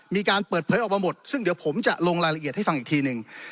มีการเปิดเผยออกมาหมดซึ่งเดี๋ยวผมจะลงรายละเอียดให้ฟังอีกทีหนึ่ง